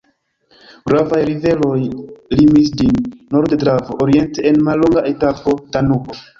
Gravaj riveroj limis ĝin: norde Dravo, oriente en mallonga etapo Danubo.